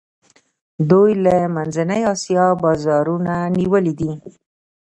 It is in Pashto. دوی د منځنۍ آسیا بازارونه نیولي دي.